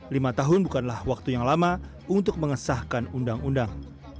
lima tahun bukanlah waktu yang lama untuk mengesahkan undang undang